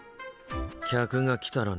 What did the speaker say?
客が来たらな。